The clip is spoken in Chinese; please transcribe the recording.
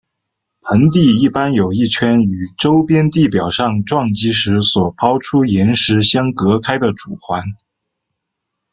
盆地一般有一圈与周边地表上撞击时所抛出岩石相隔开的主环。